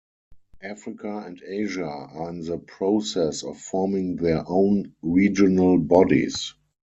Africa and Asia are in the process of forming their own Regional bodies.